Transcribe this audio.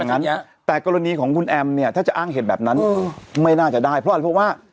ต้องอย่างนั้นแต่กรณีของคุณแอมเนี่ยถ้าจะอ้างเหตุแบบนั้นไม่น่าจะได้เพราะว่า